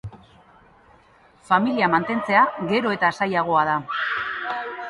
Familia mantentzea gero eta zailagoa da